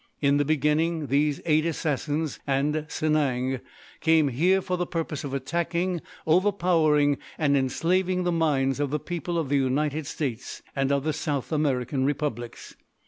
In the beginning, these eight Assassins, and Sanang, came here for the purpose of attacking, overpowering, and enslaving the minds of the people of the United States and of the South American Republics.